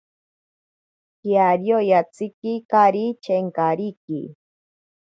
Kiario yatsikikari chenkariki.